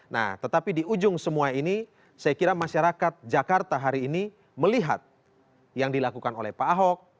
nah tetapi di ujung semua ini saya kira masyarakat jakarta hari ini melihat yang dilakukan oleh pak ahok